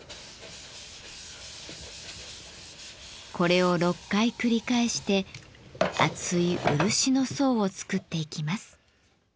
これを６回繰り返して厚い漆の層を作っていきます。